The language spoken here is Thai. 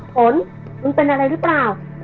ผลมึงเป็นอะไรหรือเปล่า